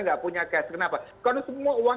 nggak punya cash kenapa karena semua uang